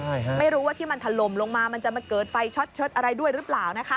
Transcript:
ใช่ค่ะไม่รู้ว่าที่มันถล่มลงมามันจะมาเกิดไฟช็อตเชิดอะไรด้วยหรือเปล่านะคะ